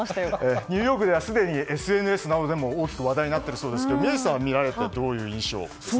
ニューヨークではすでにＳＮＳなどでも大きく話題になっているそうですが宮司さんは見られてどういう印象？